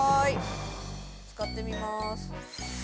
使ってみます。